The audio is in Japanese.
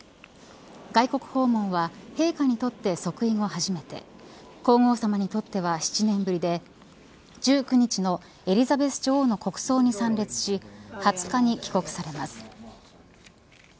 外国訪問は陛下にとって即位後初めて皇后さまにとっては７年ぶりで１９日のエリザベス女王の国葬に参列し２０日に帰国されます。